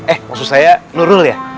eh maksud saya nurul ya